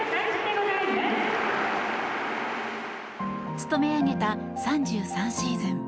務め上げた３３シーズン。